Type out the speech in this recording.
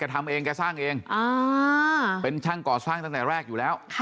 ทำเองแกสร้างเองเป็นช่างก่อสร้างตั้งแต่แรกอยู่แล้ว